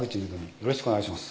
よろしくお願いします